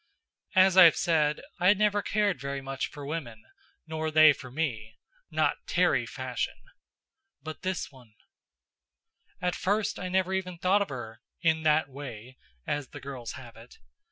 As I've said, I had never cared very much for women, nor they for me not Terry fashion. But this one At first I never even thought of her "in that way," as the girls have it.